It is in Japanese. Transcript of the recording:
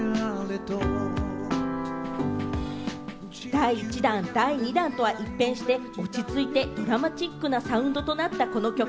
第１弾、第２弾とは一変して、落ち着いてドラマチックなサウンドとなったこの曲。